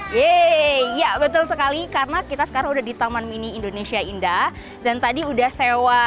yeay ya betul sekali karena kita sekarang udah di taman mini indonesia indah dan tadi udah sewa